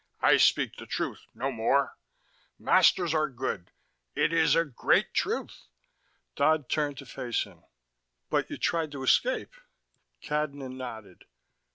"I speak the truth, no more. Masters are good: it is a great truth." Dodd turned to face him. "But you tried to escape." Cadnan nodded.